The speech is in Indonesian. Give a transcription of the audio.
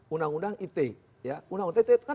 undang undang it ya undang undang it itu kan